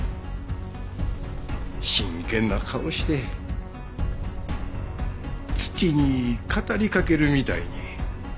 真剣な顔して土に語りかけるみたいに。